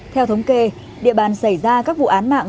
theo thống kê địa bàn xảy ra các vụ án mạng